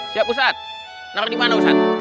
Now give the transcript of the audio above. siap ustadz taruh dimana ustadz